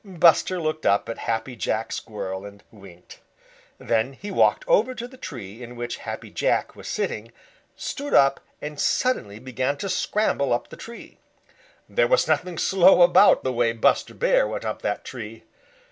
Buster looked up at Happy Jack Squirrel and winked. Then he walked over to the tree in which Happy Jack was sitting, stood up and suddenly began to scramble up the tree. There was nothing slow about the way Buster Bear went up that tree.